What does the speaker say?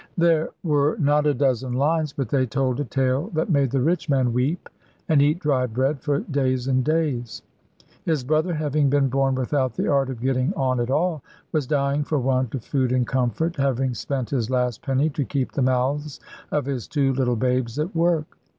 There were not a dozen lines, but they told a tale that made the rich man weep and eat dry bread for days and days. His brother having been born without the art of getting on at all, was dying for want of food and comfort, having spent his last penny to keep the mouths of his two little babes at work.